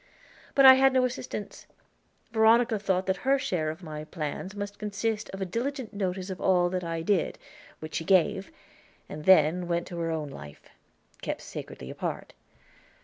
But I had no assistance; Veronica thought that her share of my plans must consist of a diligent notice of all that I did, which she gave, and then went to her own life, kept sacredly apart.